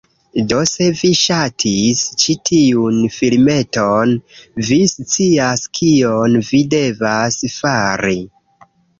Do se vi ŝatis ĉi tiun filmeton, vi scias kion vi devas fari…